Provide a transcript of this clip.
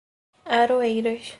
Aroeiras